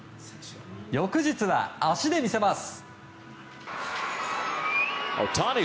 翌日は、足で魅せます。